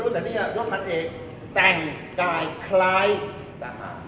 แต่นี่คือโยชน์ภาคเอก